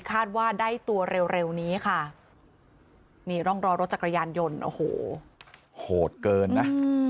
คาดว่าได้ตัวเร็วเร็วนี้ค่ะนี่ร่องรอยรถจักรยานยนต์โอ้โหโหดเกินนะ